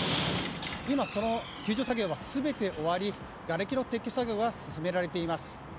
今、その救助作業が全て終わりがれきの撤去作業が進められています。